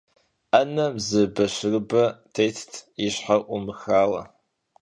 Ӏэнэм зы бащырыбэ тетт, и щхьэр Ӏумыхауэ.